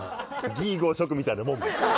魏・呉・蜀みたいなもんです。